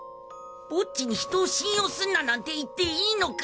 ボッジに人を信用すんななんて言っていいのか？